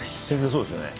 そうですよね？